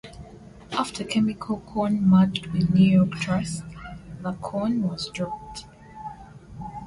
After Chemical Corn merged with New York Trust, the "Corn" was dropped.